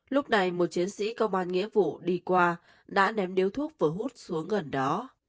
lúc này một chiến sĩ công an nghĩa vụ đi qua đã ném điếu thuốc vừa hút xuống gần đó